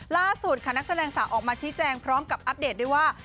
ล่าสุดค่ะนักแสดงสาวออกมาชี้แจงพร้อมกับอัปเดตด้วยว่า